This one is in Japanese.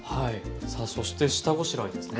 さあそして下ごしらえですね。